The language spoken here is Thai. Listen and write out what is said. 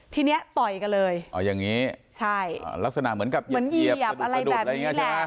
ที่นี้ต่อยกันเลยลักษณะเหมือนเยียบอะไรแบบนี้แหละ